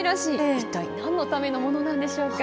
一体何のためのものなんでしょうか。